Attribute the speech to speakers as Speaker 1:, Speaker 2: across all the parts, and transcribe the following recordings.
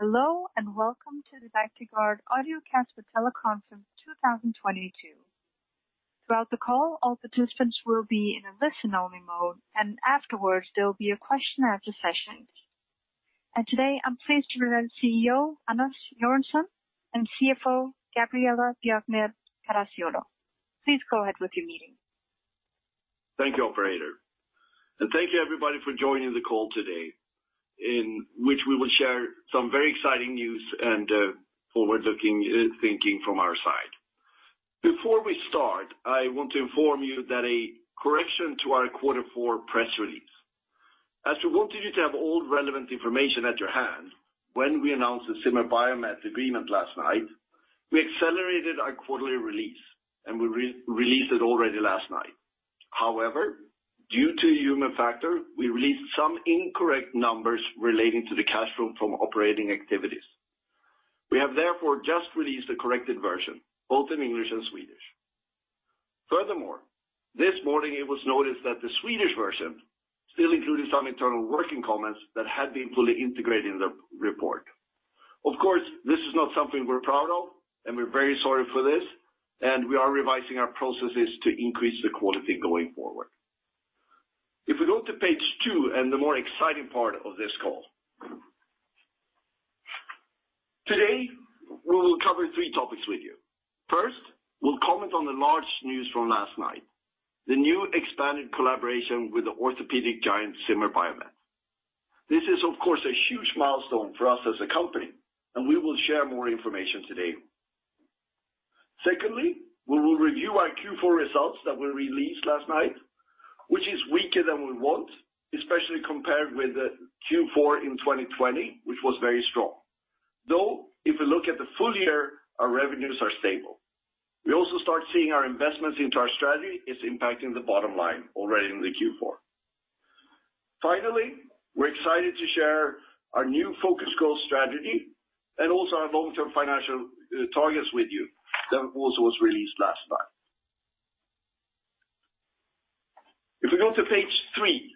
Speaker 1: Hello, and welcome to the Bactiguard Audiocast for Teleconference 2022. Throughout the call, all participants will be in a listen-only mode, and afterwards, there will be a Q&A session. Today, I'm pleased to present Anders Göransson [CEO] and Gabriella Björknert Caracciolo [CFO]. Please go ahead with your meeting.
Speaker 2: Thank you, operator. Thank you everybody for joining the call today, in which we will share some very exciting news and forward-looking thinking from our side. Before we start, I want to inform you that there is a correction to our quarter four press release. As we wanted you to have all relevant information at hand when we announced the Zimmer Biomet agreement last night, we accelerated our quarterly release, and we re-released it already last night. However, due to human factor, we released some incorrect numbers relating to the cash flow from operating activities. We have therefore just released a corrected version, both in English and Swedish. Furthermore, this morning it was noticed that the Swedish version still included some internal working comments that had been fully integrated in the report. Of course, this is not something we're proud of, and we're very sorry for this, and we are revising our processes to increase the quality going forward. If we go to page two, the more exciting part of this call. Today, we will cover three topics with you. First, we'll comment on the large news from last night, the new expanded collaboration with the orthopedic giant, Zimmer Biomet. This is, of course, a huge milestone for us as a company, and we will share more information today. Secondly, we will review our Q4 results that were released last night, which is weaker than we want, especially compared with the Q4 in 2020, which was very strong. Though, if we look at the full year, our revenues are stable. We also start seeing our investments into our strategy is impacting the bottom line already in the Q4. Finally, we're excited to share our new focus goal strategy and also our long-term financial targets with you that also was released last night. If we go to page three,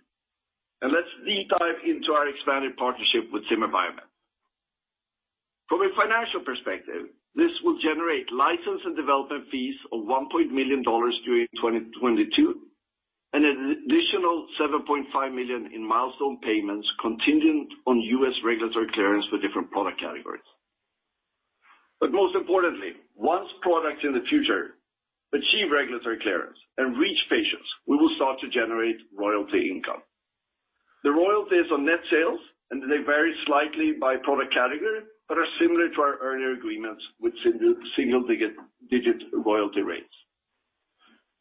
Speaker 2: let's deep dive into our expanded partnership with Zimmer Biomet. From a financial perspective, this will generate license and development fees of $1 million during 2022 and an additional $7.5 million in milestone payments contingent on U.S. regulatory clearance for different product categories. Most importantly, once products in the future achieve regulatory clearance and reach patients, we will start to generate royalty income. The royalties on net sales vary slightly by product category, but are similar to our earlier agreements with single-digit royalty rates.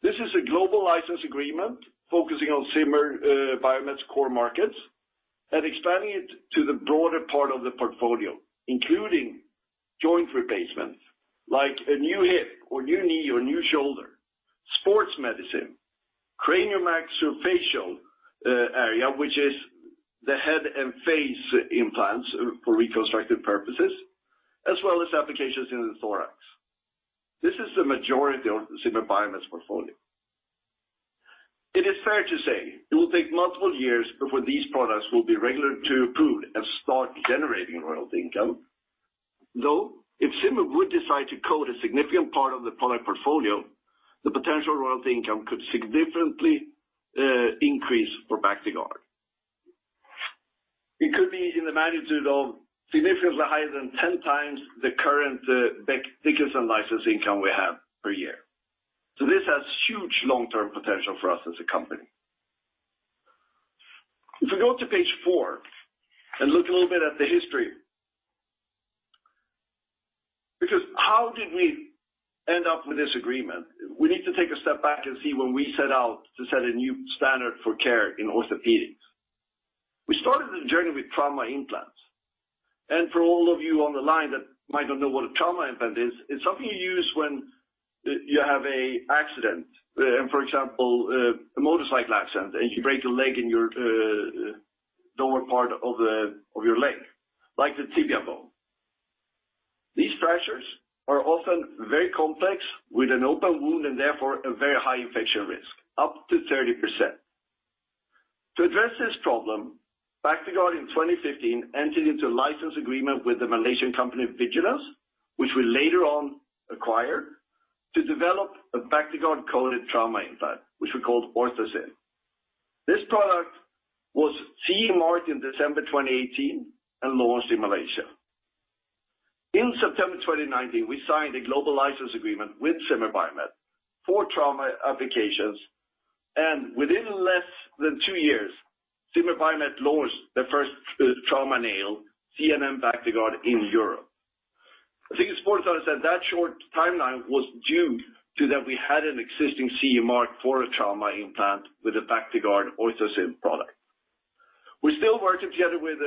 Speaker 2: This is a global license agreement focusing on Zimmer Biomet's core markets and expanding it to the broader part of the portfolio, including joint replacement, like a new hip or new knee or new shoulder, sports medicine, craniomaxillofacial area, which is the head and face implants for reconstructive purposes, as well as applications in the thorax. This is the majority of the Zimmer Biomet's portfolio. It is fair to say it will take multiple years before these products will be regulatory approved and start generating royalty income. Though, if Zimmer would decide to coat a significant part of the product portfolio, the potential royalty income could significantly increase for Bactiguard. It could be in the magnitude of significantly higher than 10x the current Becton Dickinson license income we have per year. This has huge long-term potential for us as a company. If we go to page four and look a little bit at the history. Because how did we end up with this agreement? We need to take a step back and see when we set out to set a new standard for care in orthopedics. We started the journey with trauma implants. For all of you on the line that might not know what a trauma implant is, it's something you use when you have an accident, for example, a motorcycle accident, and you break a leg in your lower part of your leg, like the tibia bone. These fractures are often very complex with an open wound, and therefore a very high infection risk, up to 30%. To address this problem, Bactiguard in 2015 entered into a license agreement with the Malaysian company, Vigilenz, which we later on acquired to develop a Bactiguard-coated trauma implant, which we called OrthoSyn. This product was CE marked in December 2018 and launched in Malaysia. In September 2019, we signed a global license agreement with Zimmer Biomet for trauma applications, and within less than two years, Zimmer Biomet launched their first trauma nail, ZNN Bactiguard in Europe. I think it's important to understand that short timeline was due to that we had an existing CE mark for a trauma implant with a Bactiguard OrthoSyn product. We're still working together with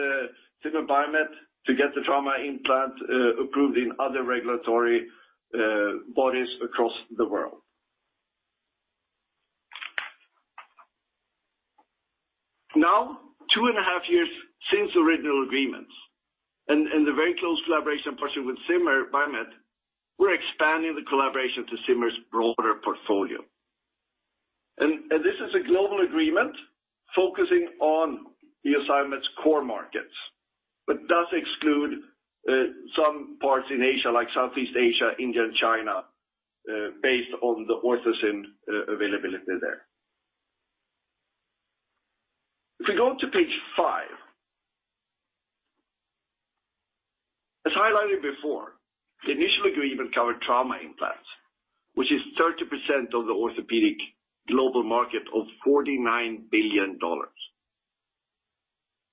Speaker 2: Zimmer Biomet to get the trauma implant approved in other regulatory bodies across the world. Now, 2.5 Years since the original agreement and the very close collaboration partnership with Zimmer Biomet, we're expanding the collaboration to Zimmer's broader portfolio. This is a global agreement focusing on the assignment's core markets, but does exclude some parts in Asia, like Southeast Asia, India, and China, based on the OrthoSyn availability there. If we go to page five. As highlighted before, the initial agreement covered trauma implants, which is 30% of the orthopedic global market of $49 billion.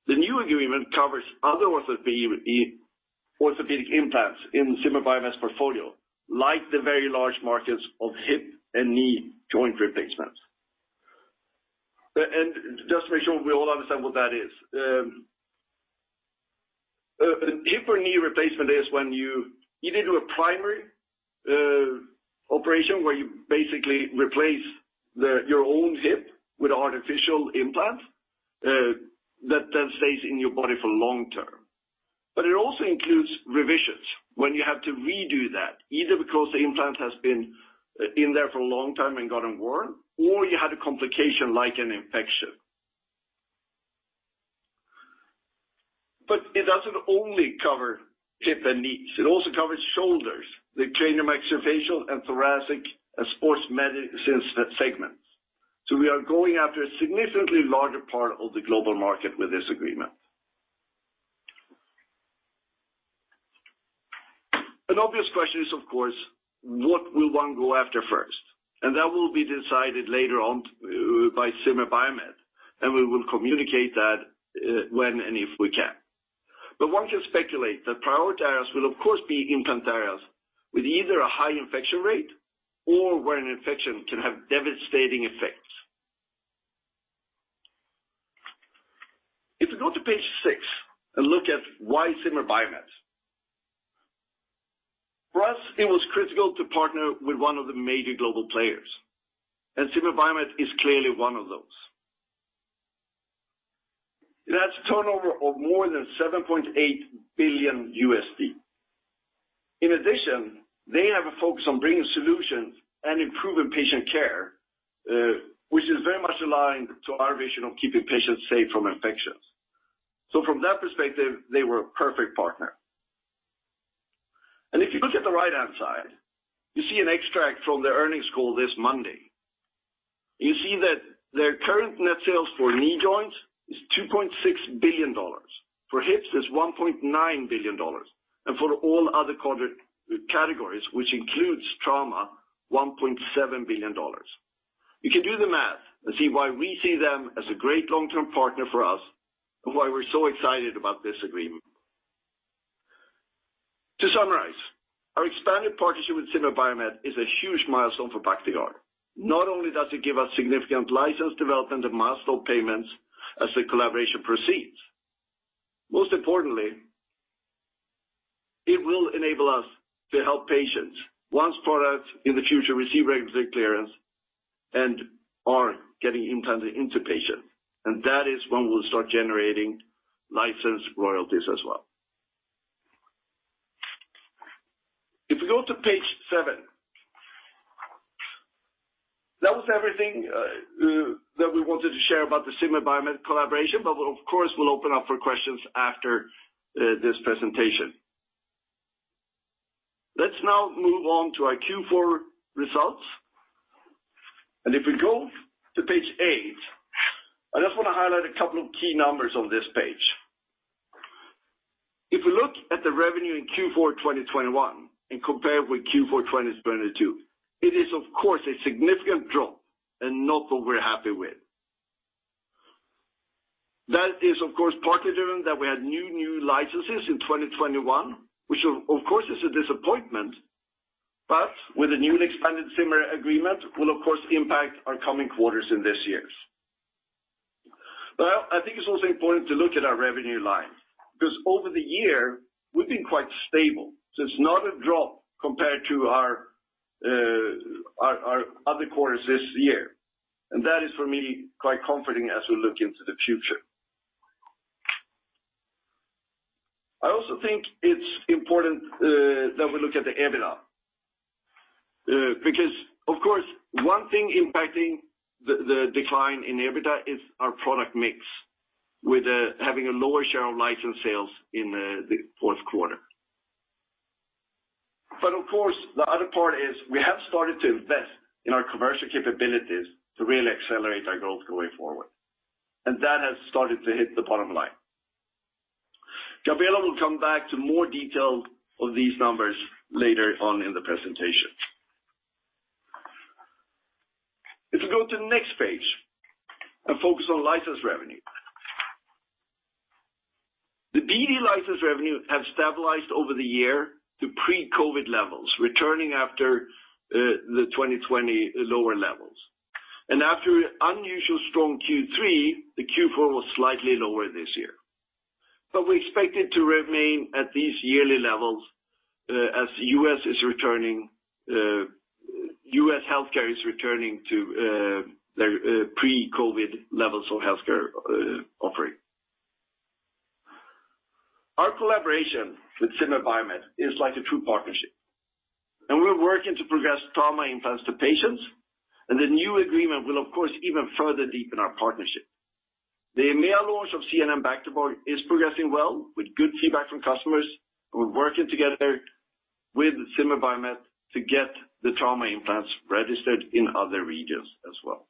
Speaker 2: The new agreement covers other orthopedic implants in Zimmer Biomet's portfolio, like the very large markets of hip and knee joint replacements. Just to make sure we all understand what that is. A hip or knee replacement is when you need to do a primary operation where you basically replace your own hip with artificial implant that stays in your body for long term. It also includes revisions when you have to redo that, either because the implant has been in there for a long time and gotten worn, or you had a complication like an infection. It doesn't only cover hip and knees. It also covers shoulders, the craniomaxillofacial, and thoracic, and sports medicines segments. We are going after a significantly larger part of the global market with this agreement. An obvious question is, of course, what will one go after first? That will be decided later on by Zimmer Biomet, and we will communicate that when and if we can. One can speculate that priority areas will of course be implant areas with either a high infection rate or where an infection can have devastating effects. If you go to page six and look at why Zimmer Biomet. For us, it was critical to partner with one of the major global players, and Zimmer Biomet is clearly one of those. It has a turnover of more than $7.8 billion. In addition, they have a focus on bringing solutions and improving patient care, which is very much aligned to our vision of keeping patients safe from infections. From that perspective, they were a perfect partner. If you look at the right-hand side, you see an extract from their earnings call this Monday. You see that their current net sales for knee joints is $2.6 billion. For hips, it's $1.9 billion. For all other categories, which includes trauma, $1.7 billion. You can do the math and see why we see them as a great long-term partner for us and why we're so excited about this agreement. To summarize, our expanded partnership with Zimmer Biomet is a huge milestone for Bactiguard. Not only does it give us significant license development and milestone payments as the collaboration proceeds, most importantly, it will enable us to help patients once products in the future receive regulatory clearance and are getting implanted into patients, and that is when we'll start generating license royalties as well. If we go to page seven. That was everything that we wanted to share about the Zimmer Biomet collaboration, but we'll of course open up for questions after this presentation. Let's now move on to our Q4 results. If we go to page eight, I just want to highlight a couple of key numbers on this page. If we look at the revenue in Q4 2021 and compare it with Q4 2022, it is of course a significant drop and not what we're happy with. That is of course partly driven that we had new licenses in 2021, which of course is a disappointment, but with a new and expanded Zimmer agreement will of course impact our coming quarters in this years. I think it's also important to look at our revenue line, because over the year we've been quite stable. It's not a drop compared to our other quarters this year. That is for me quite comforting as we look into the future. I also think it's important that we look at the EBITDA, because of course, one thing impacting the decline in EBITDA is our product mix with having a lower share of license sales in the fourth quarter. Of course, the other part is we have started to invest in our commercial capabilities to really accelerate our growth going forward. That has started to hit the bottom line. Gabriella will come back to more detail of these numbers later on in the presentation. If you go to the next page and focus on license revenue. The BD license revenue has stabilized over the year to pre-COVID levels, returning after the 2020 lower levels. After an unusually strong Q3, the Q4 was slightly lower this year. We expect it to remain at these yearly levels, as the U.S. is returning, U.S. healthcare is returning to their pre-COVID levels of healthcare offering. Our collaboration with Zimmer Biomet is like a true partnership, and we're working to progress trauma implants to patients, and the new agreement will, of course, even further deepen our partnership. The EMEA launch of ZNN Bactiguard is progressing well with good feedback from customers. We're working together with Zimmer Biomet to get the trauma implants registered in other regions as well.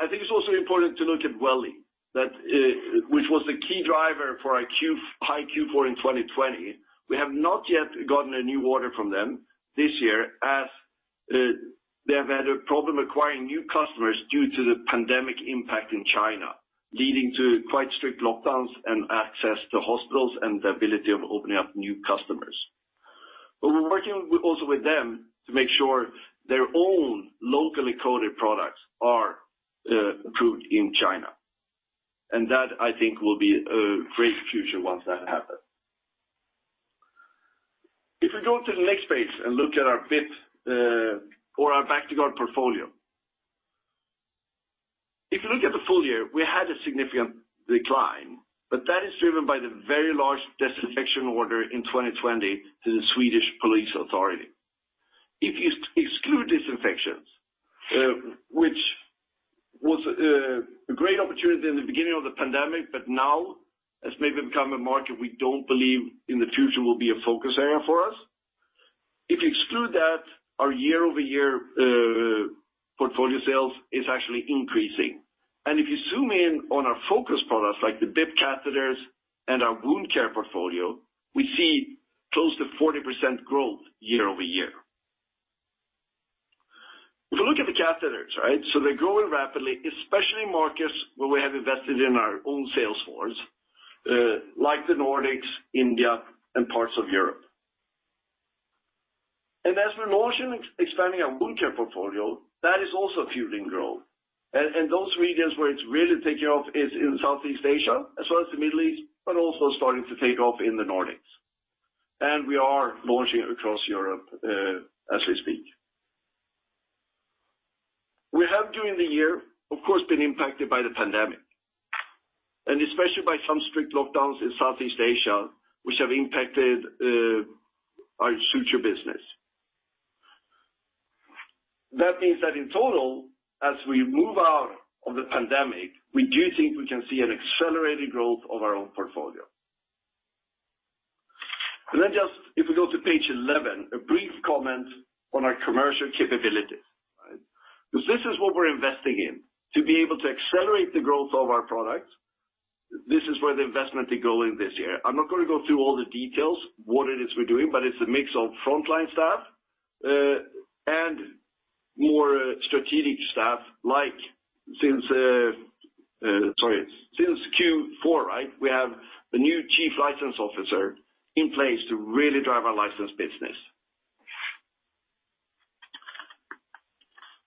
Speaker 2: I think it's also important to look at Vigilenz, which was the key driver for our high Q4 in 2020. We have not yet gotten a new order from them this year as they have had a problem acquiring new customers due to the pandemic impact in China, leading to quite strict lockdowns and access to hospitals and the ability of opening up new customers. We're working also with them to make sure their own locally coded products are approved in China. That, I think, will be a great future once that happens. If we go to the next page and look at our BIP or our Bactiguard portfolio. If you look at the full year, we had a significant decline, but that is driven by the very large disinfection order in 2020 to the Swedish Police Authority. If you exclude disinfections, which was a great opportunity in the beginning of the pandemic, but now has maybe become a market we don't believe in the future will be a focus area for us. If you exclude that, our year-over-year portfolio sales is actually increasing. If you zoom in on our focus products like the BIP catheters and our wound care portfolio, we see close to 40% growth year-over-year. If you look at the catheters, right? They're growing rapidly, especially markets where we have invested in our own sales force, like the Nordics, India, and parts of Europe. As we're launching expanding our wound care portfolio, that is also fueling growth. Those regions where it's really taking off is in Southeast Asia as well as the Middle East, but also starting to take off in the Nordics. We are launching across Europe as we speak. We have, during the year, of course, been impacted by the pandemic, and especially by some strict lockdowns in Southeast Asia, which have impacted our suture business. That means that in total, as we move out of the pandemic, we do think we can see an accelerated growth of our own portfolio. Then just if we go to page 11, a brief comment on our commercial capabilities. Because this is what we're investing in to be able to accelerate the growth of our products. This is where the investment is going this year. I'm not gonna go through all the details, what it is we're doing, but it's a mix of frontline staff and more strategic staff, like since, sorry. Since Q4, right, we have the new Chief License Officer in place to really drive our license business.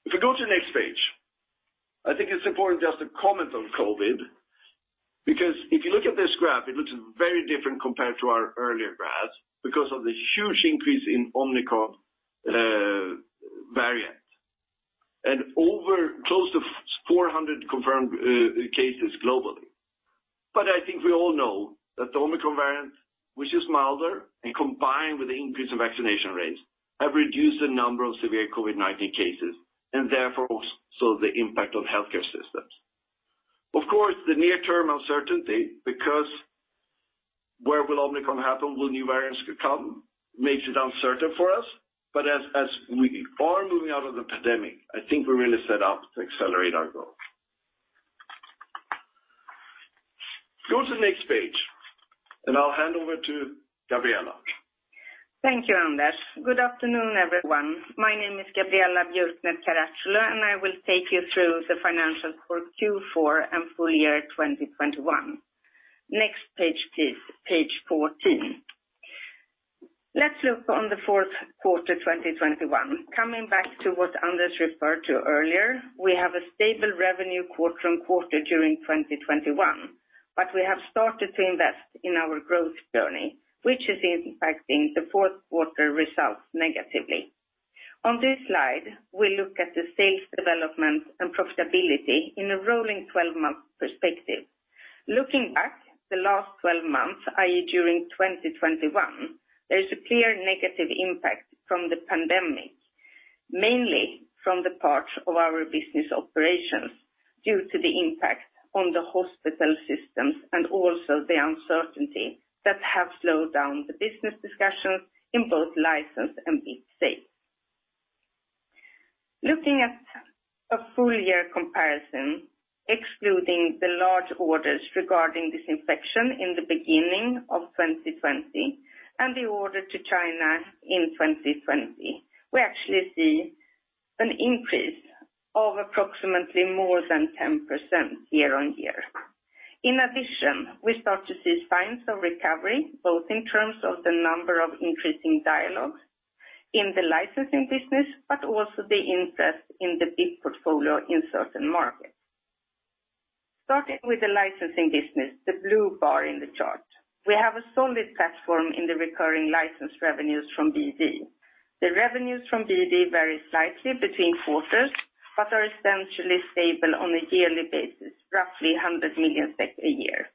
Speaker 2: If we go to the next page, I think it's important just to comment on COVID, because if you look at this graph, it looks very different compared to our earlier graphs because of the huge increase in Omicron variant and over close to 400 confirmed cases globally. I think we all know that the Omicron variant, which is milder and combined with the increase in vaccination rates, have reduced the number of severe COVID-19 cases, and therefore, also the impact on healthcare systems. Of course, the near-term uncertainty because where will Omicron happen, will new variants come, makes it uncertain for us. As we are moving out of the pandemic, I think we're really set up to accelerate our growth. Go to the next page, and I'll hand over to Gabriella.
Speaker 3: Thank you, Anders. Good afternoon, everyone. My name is Gabriella Björknert Caracciolo, and I will take you through the financials for Q4 and full year 2021. Next page, please. Page 14. Let's look on the fourth quarter 2021. Coming back to what Anders referred to earlier, we have a stable revenue quarter-on-quarter during 2021, but we have started to invest in our growth journey, which is impacting the fourth quarter results negatively. On this slide, we look at the sales development and profitability in a rolling 12-month perspective. Looking back the last 12 months, i.e., during 2021, there is a clear negative impact from the pandemic, mainly from the parts of our business operations due to the impact on the hospital systems and also the uncertainty that have slowed down the business discussions in both license and BIP sales. Looking at a full year comparison, excluding the large orders regarding disinfection in the beginning of 2020 and the order to China in 2020, we actually see an increase of approximately more than 10% year-on-year. In addition, we start to see signs of recovery, both in terms of the number of increasing dialogues in the licensing business, but also the interest in the BIP portfolio in certain markets. Starting with the licensing business, the blue bar in the chart. We have a solid platform in the recurring license revenues from BD. The revenues from BD vary slightly between quarters, but are essentially stable on a yearly basis, roughly 100 million SEK a year.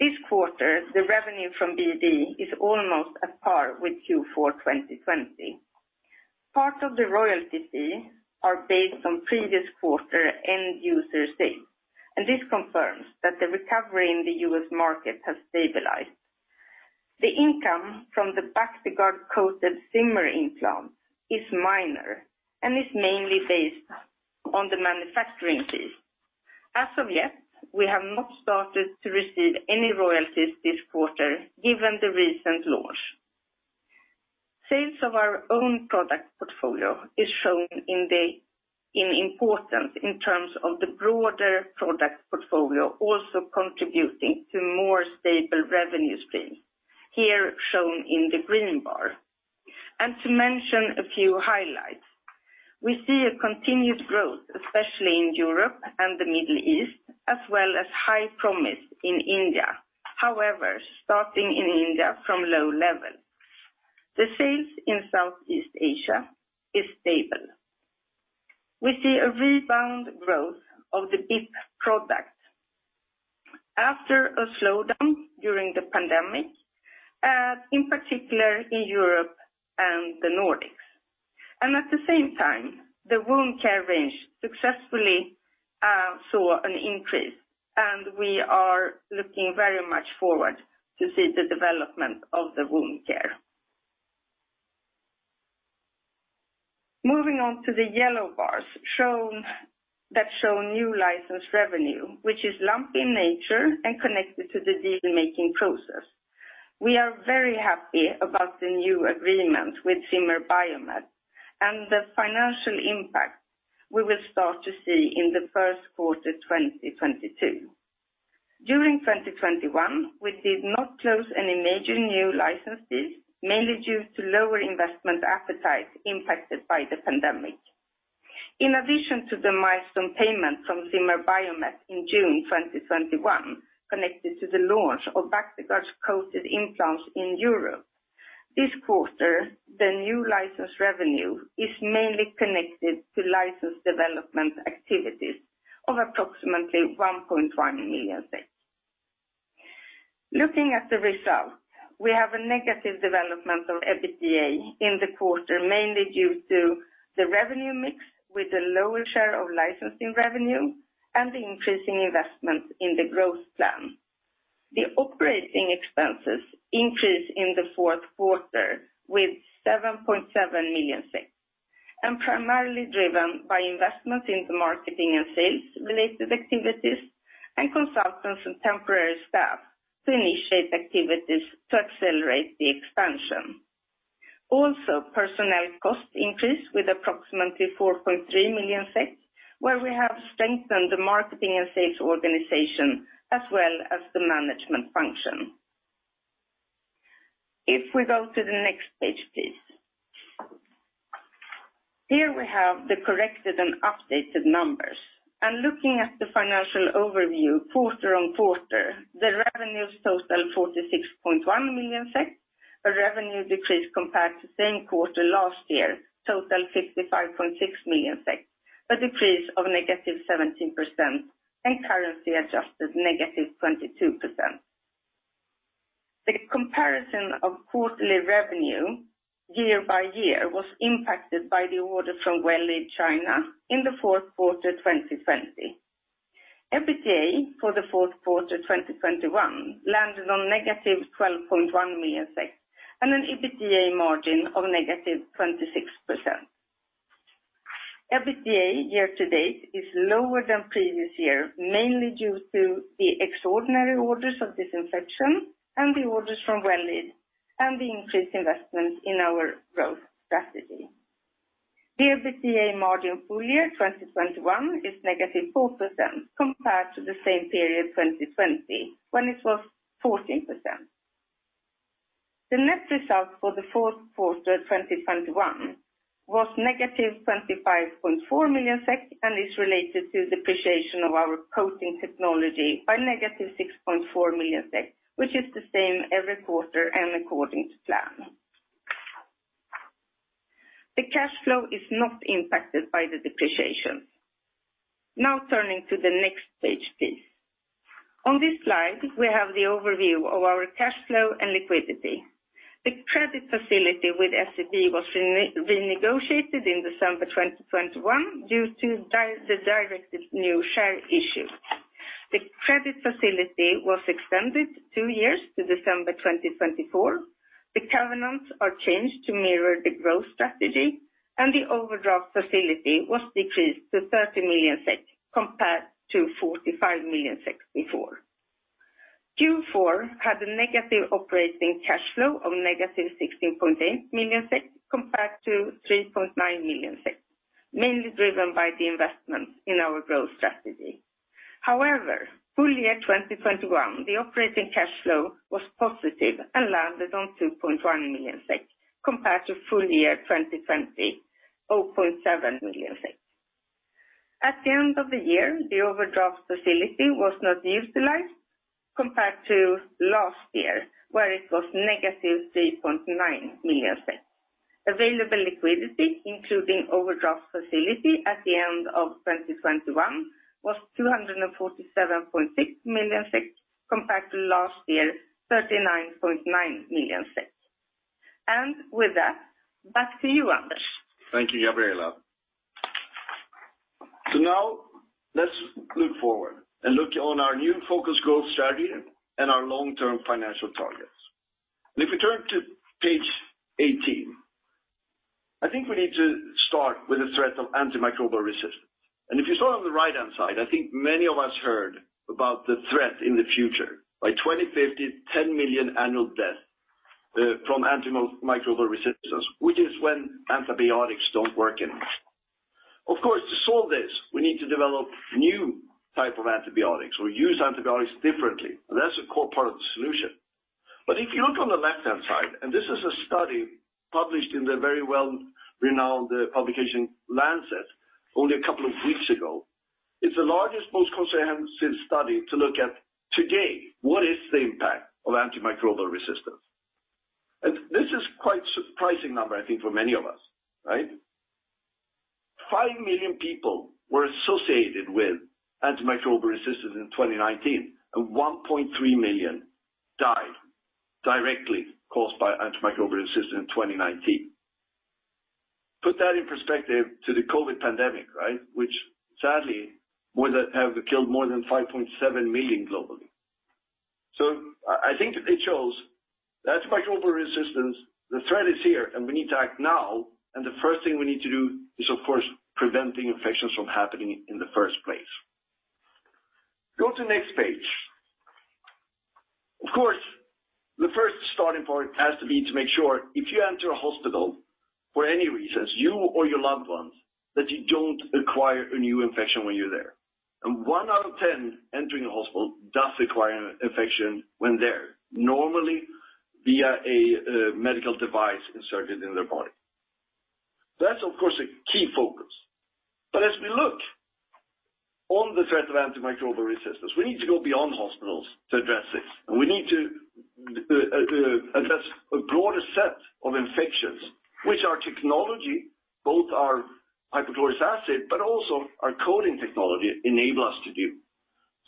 Speaker 3: This quarter, the revenue from BD is almost at par with Q4 2020. Part of the royalty fee are based on previous quarter end user sales, and this confirms that the recovery in the U.S. market has stabilized. The income from the Bactiguard-coated Zimmer implant is minor and is mainly based on the manufacturing fee. As of yet, we have not started to receive any royalties this quarter given the recent launch. Sales of our own product portfolio is shown in importance in terms of the broader product portfolio, also contributing to more stable revenue stream, here shown in the green bar. To mention a few highlights, we see a continuous growth, especially in Europe and the Middle East, as well as high promise in India, however starting in India from low level. The sales in Southeast Asia is stable. We see a rebound growth of the BIP product after a slowdown during the pandemic, in particular in Europe and the Nordics. At the same time, the wound care range successfully saw an increase, and we are looking very much forward to see the development of the wound care. Moving on to the yellow bars shown that show new license revenue, which is lumpy in nature and connected to the deal-making process. We are very happy about the new agreement with Zimmer Biomet and the financial impact we will start to see in the first quarter 2022. During 2021, we did not close any major new licenses, mainly due to lower investment appetite impacted by the pandemic. In addition to the milestone payment from Zimmer Biomet in June 2021 connected to the launch of Bactiguard-coated implants in Europe, this quarter, the new license revenue is mainly connected to license development activities of approximately 1.1 million. Looking at the results, we have a negative development of EBITDA in the quarter, mainly due to the revenue mix with a lower share of licensing revenue and the increasing investment in the growth plan. The operating expenses increased in the fourth quarter with 7.7 million, and primarily driven by investments into marketing and sales-related activities and consultants and temporary staff to initiate activities to accelerate the expansion. Also, personnel costs increased with approximately 4.3 million, where we have strengthened the marketing and sales organization as well as the management function. If we go to the next page, please. Here we have the corrected and updated numbers. Looking at the financial overview QoQ, the revenues total 46.1 million SEK, a revenue decrease compared to same quarter last year, total 55.6 million SEK, a decrease of -17% and currency adjusted -22%. The comparison of quarterly revenue year-over-year was impacted by the order from Well Lead China in the fourth quarter 2020. EBITDA for the fourth quarter 2021 landed on -12.1 million and an EBITDA margin of -26%. EBITDA year to date is lower than previous year, mainly due to the extraordinary orders of disinfection and the orders from Well Lead and the increased investment in our growth strategy. The EBITDA margin full year 2021 is -4% compared to the same period 2020, when it was 14%. The net result for the fourth quarter 2021 was -25.4 million SEK and is related to the depreciation of our coating technology by -6.4 million SEK, which is the same every quarter and according to plan. The cash flow is not impacted by the depreciation. Now turning to the next page, please. On this slide, we have the overview of our cash flow and liquidity. The credit facility with SEB was renegotiated in December 2021 due to the directed new share issue. The credit facility was extended two years to December 2024. The covenants are changed to mirror the growth strategy, and the overdraft facility was decreased to 30 million compared to 45 million before. Q4 had a negative operating cash flow of -16.8 million compared to 3.9 million, mainly driven by the investment in our growth strategy. However, full year 2021, the operating cash flow was positive and landed on 2.1 million SEK compared to full year 2020, 0.7 million SEK. At the end of the year, the overdraft facility was not utilized compared to last year, where it was -3.9 million. Available liquidity, including overdraft facility at the end of 2021 was 247.6 million compared to last year, 39.9 million. With that, back to you, Anders.
Speaker 2: Thank you, Gabriella. Now let's look forward and look on our new focused growth strategy and our long-term financial targets. If we turn to page 18, I think we need to start with the threat of antimicrobial resistance. If you saw on the right-hand side, I think many of us heard about the threat in the future. By 2050, 10 million annual deaths from antimicrobial resistance, which is when antibiotics don't work anymore. Of course, to solve this, we need to develop new type of antibiotics or use antibiotics differently, and that's a core part of the solution. If you look on the left-hand side, this is a study published in the very well-renowned publication, The Lancet, only a couple of weeks ago. It's the largest, most comprehensive study to look at today, what is the impact of antimicrobial resistance? This is quite surprising number, I think, for many of us, right? five million people were associated with antimicrobial resistance in 2019, and 1.3 million died directly caused by antimicrobial resistance in 2019. Put that in perspective to the COVID pandemic, right, which sadly would have killed more than 5.7 million globally. So, I think it shows that antimicrobial resistance, the threat is here, and we need to act now. The first thing we need to do is, of course, preventing infections from happening in the first place. Go to the next page. Of course, the first starting point has to be to make sure if you enter a hospital for any reasons, you or your loved ones, that you don't acquire a new infection when you're there. One out of 10 entering a hospital does acquire an infection when there, normally via a medical device inserted in their body. That's, of course, a key focus. As we look on the threat of antimicrobial resistance, we need to go beyond hospitals to address this. We need to address a broader set of infections, which our technology, both our hypochlorous acid, but also our coating technology enable us to do.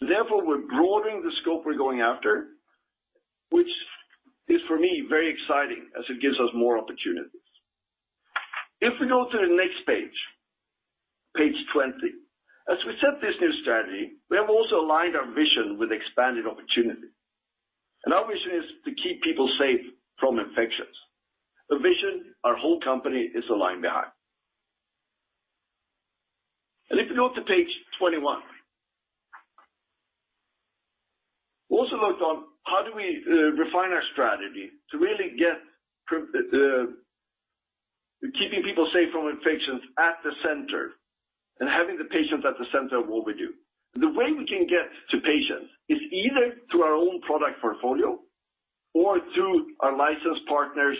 Speaker 2: Therefore, we're broadening the scope we're going after, which is for me, very exciting as it gives us more opportunities. If we go to the next page 20. As we set this new strategy, we have also aligned our vision with expanded opportunity. Our vision is to keep people safe from infections. A vision our whole company is aligned behind. If you go to page 21. We also looked on how do we refine our strategy to really get keeping people safe from infections at the center and having the patients at the center of what we do. The way we can get to patients is either through our own product portfolio or through our licensed partners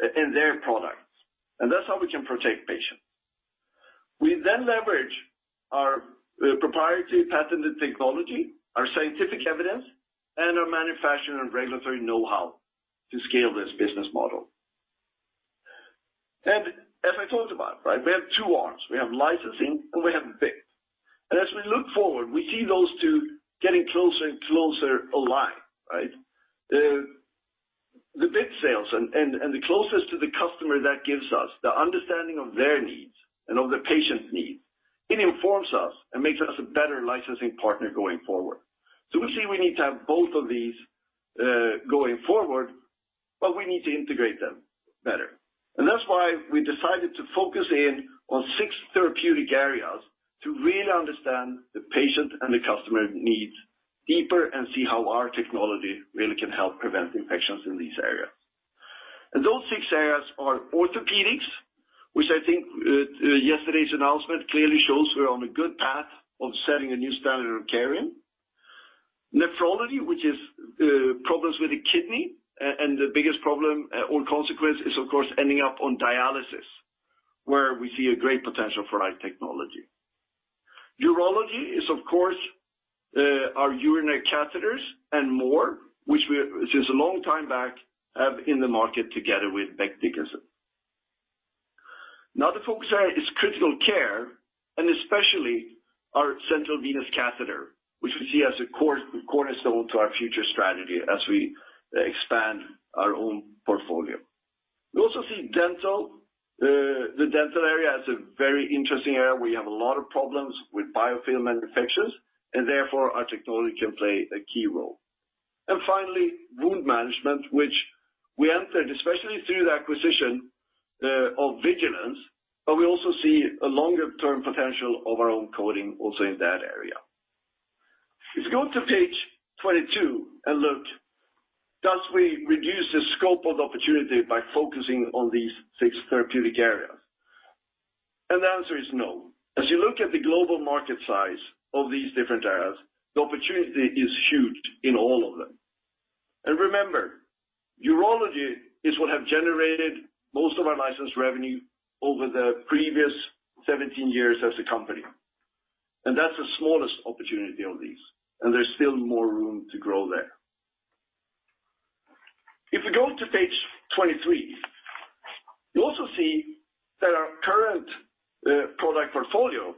Speaker 2: and their products. That's how we can protect patients. We then leverage our proprietary patented technology, our scientific evidence, and our manufacturing and regulatory know-how to scale this business model. As I talked about, right, we have two arms. We have licensing and we have BIP. As we look forward, we see those two getting closer and closer aligned, right? The BIP sales and the closeness to the customer that gives us the understanding of their needs and of the patient's needs, it informs us and makes us a better licensing partner going forward. We see we need to have both of these going forward, but we need to integrate them better. That's why we decided to focus in on six therapeutic areas to really understand the patient and the customer needs deeper and see how our technology really can help prevent infections in these areas. Those six areas are orthopedics, which I think yesterday's announcement clearly shows we're on a good path of setting a new standard of caring. Nephrology, which is problems with the kidney, and the biggest problem or consequence is, of course, ending up on dialysis, where we see a great potential for our technology. Urology is, of course, our urinary catheters and more, which we since a long time back have in the market together with Becton Dickinson. Another focus area is critical care, and especially our central venous catheter, which we see as a cornerstone to our future strategy as we expand our own portfolio. We also see dental. The dental area is a very interesting area. We have a lot of problems with biofilm infections, and therefore our technology can play a key role. Finally, wound management, which we entered, especially through the acquisition of Vigilenz, but we also see a longer-term potential of our own coating also in that area. If you go to page 22 and look, do we reduce the scope of the opportunity by focusing on these six therapeutic areas? The answer is no. As you look at the global market size of these different areas, the opportunity is huge in all of them. Remember, urology is what have generated most of our licensed revenue over the previous 17 years as a company, and that's the smallest opportunity of these, and there's still more room to grow there. If you go to page 23, you also see that our current product portfolio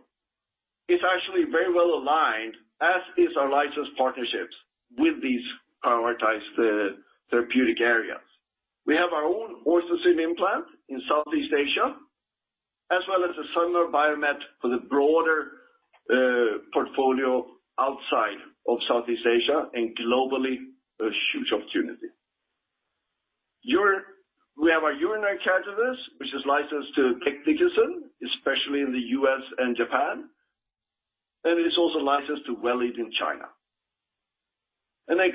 Speaker 2: is actually very well aligned, as is our license partnerships with these prioritized therapeutic areas. We have our own OrthoSyn implant in Southeast Asia, as well as the Zimmer Biomet for the broader portfolio outside of Southeast Asia and globally, a huge opportunity. We have our urinary catheters, which is licensed to Becton Dickinson, especially in the U.S. and Japan, and it is also licensed to Well Lead in China.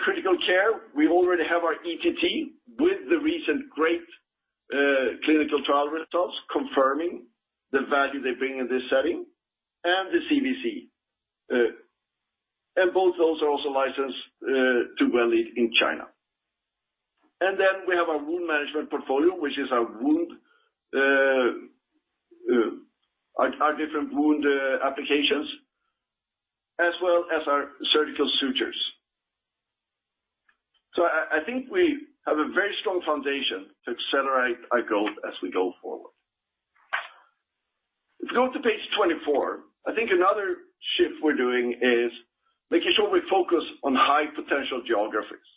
Speaker 2: Critical care, we already have our ETT with the recent great clinical trial results confirming the value they bring in this setting and the CVC. Both those are also licensed to Well Lead in China. We have our wound management portfolio, which is our different wound applications, as well as our surgical sutures. I think we have a very strong foundation to accelerate our growth as we go forward. If you go to page 24, I think another shift we're doing is making sure we focus on high potential geographies.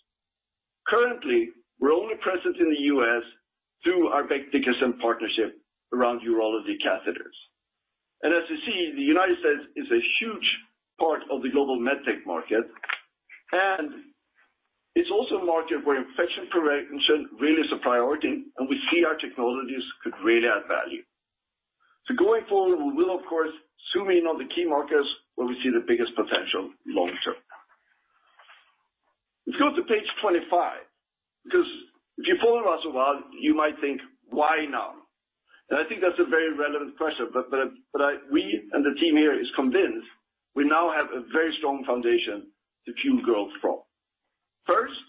Speaker 2: Currently, we're only present in the U.S. through our Becton Dickinson partnership around urology catheters. As you see, the United States is a huge part of the global med tech market, and it's also a market where infection prevention really is a priority, and we see our technologies could really add value. Going forward, we will of course zoom in on the key markets where we see the biggest potential long-term. If you go to page 25, because if you follow us a while, you might think, "Why now?" I think that's a very relevant question, but we and the team here is convinced we now have a very strong foundation to fuel growth from. First,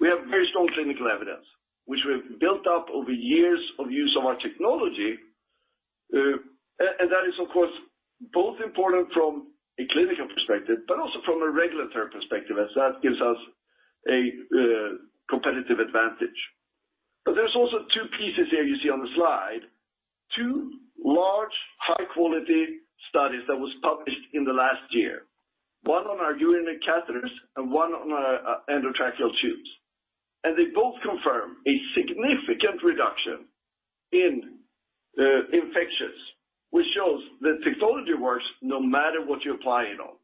Speaker 2: we have very strong clinical evidence, which we have built up over years of use of our technology. That is of course both important from a clinical perspective, but also from a regulatory perspective, as that gives us a competitive advantage. There's also two pieces here you see on the slide, two large, high-quality studies that was published in the last year. One on our urinary catheters and one on our endotracheal tubes. They both confirm a significant reduction in infections, which shows the technology works no matter what you apply it on,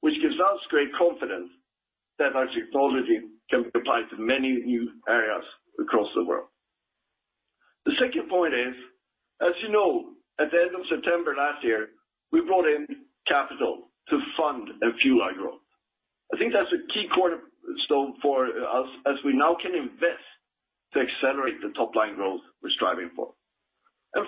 Speaker 2: which gives us great confidence that our technology can be applied to many new areas across the world. The second point is, as you know, at the end of September last year, we brought in capital to fund and fuel our growth. I think that's a key cornerstone for us as we now can invest to accelerate the top-line growth we're striving for.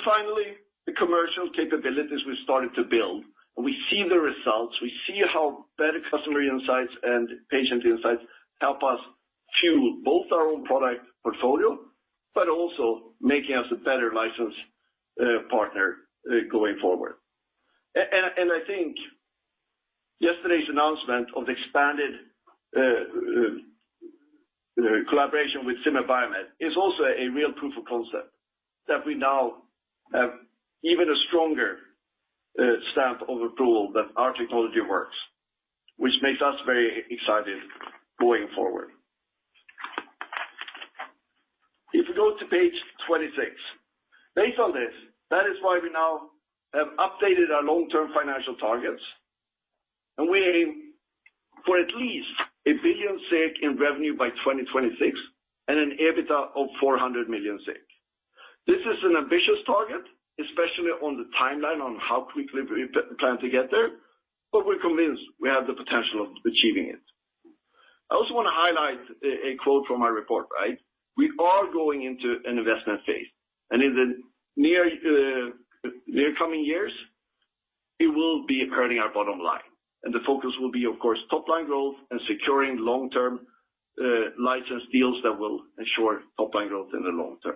Speaker 2: Finally, the commercial capabilities we started to build, and we see the results, we see how better customer insights and patient insights help us fuel both our own product portfolio, but also making us a better licensor partner going forward. And I think yesterday's announcement of expanded collaboration with Zimmer Biomet is also a real proof of concept that we now have even a stronger stamp of approval that our technology works, which makes us very excited going forward. If you go to page 26. Based on this, that is why we now have updated our long-term financial targets, and we aim for at least 1 billion SEK in revenue by 2026 and an EBITDA of 400 million SEK. This is an ambitious target, especially on the timeline on how quickly we plan to get there, but we're convinced we have the potential of achieving it. I also wanna highlight a quote from our report, right? We are going into an investment phase, and in the near coming years, it will be impacting our bottom line. The focus will be, of course, top line growth and securing long-term license deals that will ensure top line growth in the long term.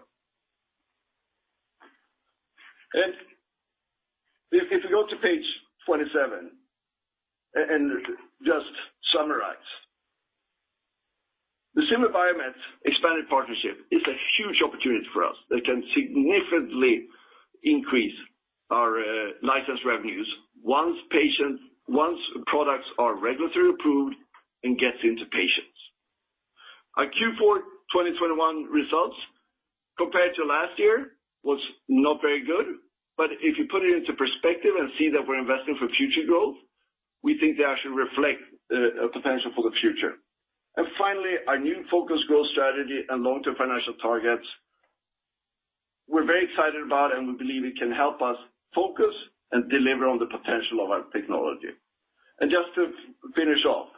Speaker 2: If you go to page 27 and just summarize. The Zimmer Biomet expanded partnership is a huge opportunity for us that can significantly increase our license revenues once products are regulatory approved and gets into patients. Our Q4 2021 results compared to last year was not very good, but if you put it into perspective and see that we're investing for future growth, we think they actually reflect potential for the future. Finally, our new focus growth strategy and long-term financial targets, we're very excited about and we believe it can help us focus and deliver on the potential of our technology. Just to finish off,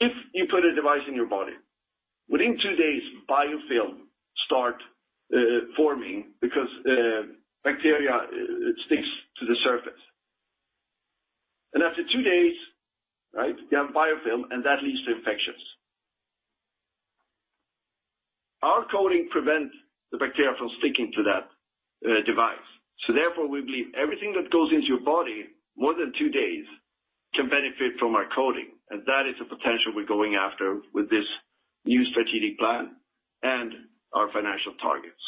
Speaker 2: if you put a device in your body, within two days, biofilm start forming because bacteria it sticks to the surface. After two days, right, you have biofilm, and that leads to infections. Our coating prevents the bacteria from sticking to that device. Therefore, we believe everything that goes into your body more than two days can benefit from our coating, and that is the potential we're going after with this new strategic plan and our financial targets.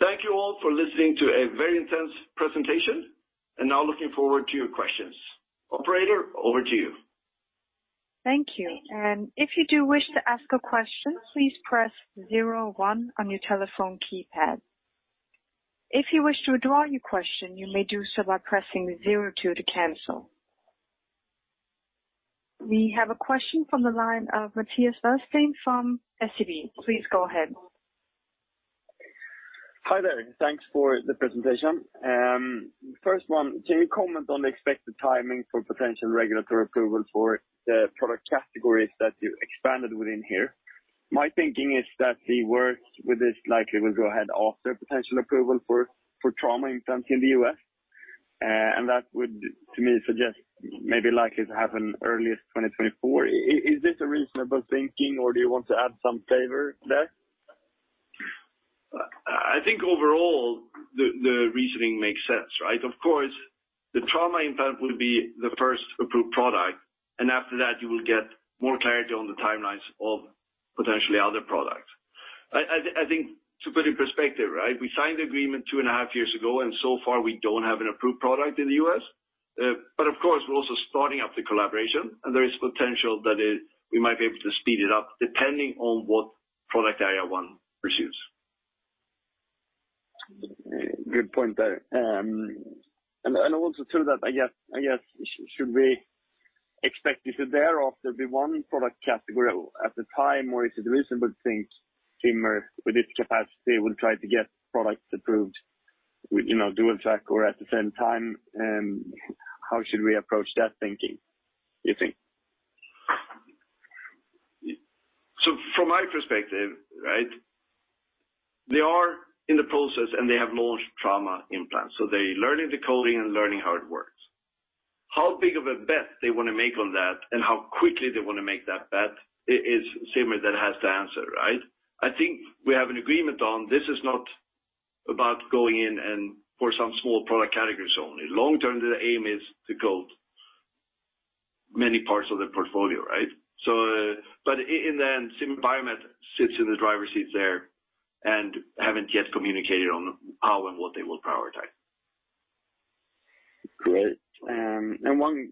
Speaker 2: Thank you all for listening to a very intense presentation. Now looking forward to your questions. Operator, over to you.
Speaker 1: We have a question from the line of Mattias Vadsten from SEB. Please go ahead.
Speaker 4: Hi there. Thanks for the presentation. First one, can you comment on the expected timing for potential regulatory approval for the product categories that you expanded within here? My thinking is that the works with this likely will go ahead after potential approval for trauma implants in the U.S. That would, to me, suggest maybe likely to happen earliest 2024. Is this a reasonable thinking, or do you want to add some flavor there?
Speaker 2: I think overall, the reasoning makes sense, right? Of course, the trauma implant will be the first approved product, and after that, you will get more clarity on the timelines of potentially other products. I think to put in perspective, right, we signed the agreement 2.5 years ago, and so far we don't have an approved product in the U.S. Of course, we're also starting up the collaboration, and there is potential that we might be able to speed it up depending on what product IA one pursues.
Speaker 4: Good point there. Also to that, I guess, should we expect you to thereafter be one product category at the time, or is it reasonable to think Zimmer, with its capacity, will try to get products approved with, you know, dual track or at the same time, and how should we approach that thinking, do you think?
Speaker 2: From my perspective, right, they are in the process, and they have launched trauma implants, so they're learning the coating and learning how it works. How big of a bet they wanna make on that and how quickly they wanna make that bet is up to Zimmer that has the answer, right? I think we have an agreement that this is not about going in and for some small product categories only. Long-term, the aim is to coat many parts of their portfolio, right? In the end, Zimmer Biomet sits in the driver's seat there and haven't yet communicated on how and what they will prioritize.
Speaker 4: Great. One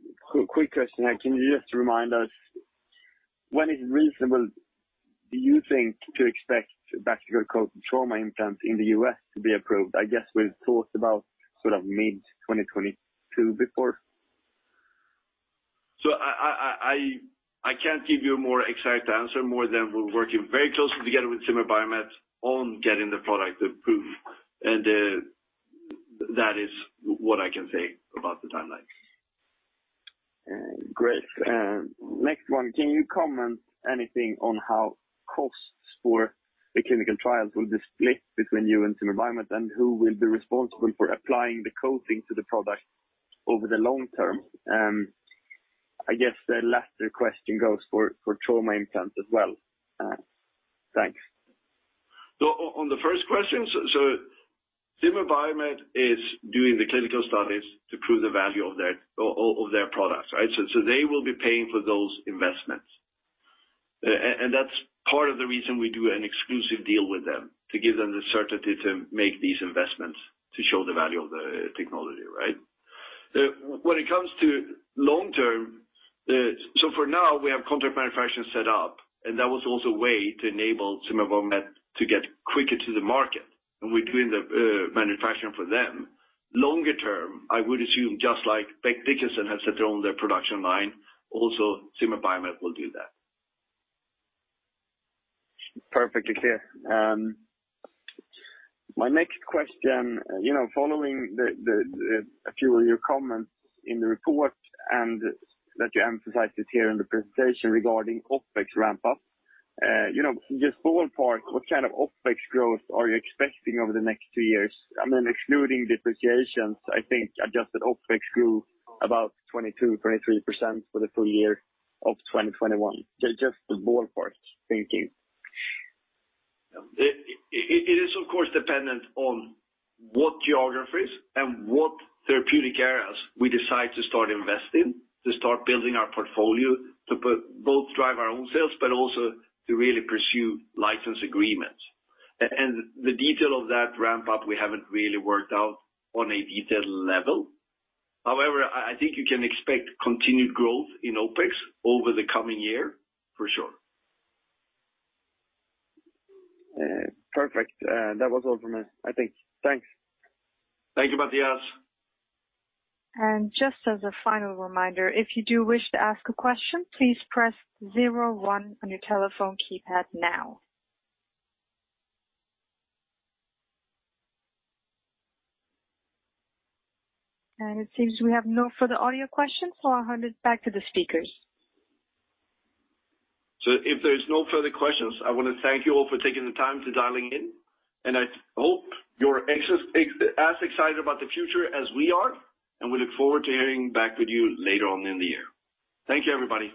Speaker 4: quick question. Can you just remind us when is reasonable, do you think, to expect bacterially coated trauma implants in the U.S. to be approved? I guess we've talked about sort of mid-2022 before.
Speaker 2: I can't give you a more exact answer more than we're working very closely together with Zimmer Biomet on getting the product approved. That is what I can say about the timeline.
Speaker 4: Great. Next one. Can you comment anything on how costs for the clinical trials will be split between you and Zimmer Biomet, and who will be responsible for applying the coating to the product over the long term? I guess the latter question goes for trauma implants as well. Thanks.
Speaker 2: On the first question, Zimmer Biomet is doing the clinical studies to prove the value of their products, right? They will be paying for those investments. That's part of the reason we do an exclusive deal with them, to give them the certainty to make these investments to show the value of the technology, right? When it comes to long term, for now, we have contract manufacturing set up, and that was also a way to enable Zimmer Biomet to get quicker to the market, and we're doing the manufacturing for them. Longer term, I would assume, just like Becton Dickinson has set their own production line, also Zimmer Biomet will do that.
Speaker 4: Perfectly clear. My next question, you know, following a few of your comments in the report and that you emphasized it here in the presentation regarding OpEx ramp up, you know, just ballpark, what kind of OpEx growth are you expecting over the next two years? I mean, excluding depreciations, I think adjusted OpEx grew about 22%-23% for the full year of 2021. Just the ballpark thinking.
Speaker 2: It is of course dependent on what geographies and what therapeutic areas we decide to start investing, to start building our portfolio to both drive our own sales, but also to really pursue license agreements. The detail of that ramp up, we haven't really worked out on a detailed level. However, I think you can expect continued growth in OpEx over the coming year for sure.
Speaker 4: Perfect. That was all from me, I think. Thanks.
Speaker 2: Thank you, Mattias.
Speaker 1: Just as a final reminder, if you do wish to ask a question, please press zero one on your telephone keypad now. It seems we have no further audio questions, so I'll hand it back to the speakers.
Speaker 2: If there's no further questions, I wanna thank you all for taking the time to dial in, and I hope you're excited about the future as we are, and we look forward to hearing back with you later on in the year. Thank you, everybody.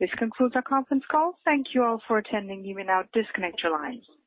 Speaker 1: This concludes our conference call. Thank you all for attending. You may now disconnect your lines.